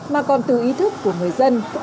mà còn từ ý thức của người dân